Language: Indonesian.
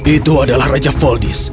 itu adalah raja voldis